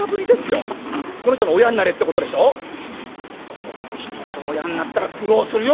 この人俺親になったら苦労するよ？